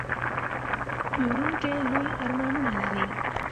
پلورونکی لوی ارمانونه لري.